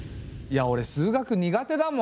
おれ数学苦手だもん。